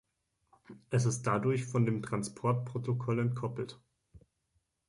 Es ist dadurch von dem Transportprotokoll entkoppelt.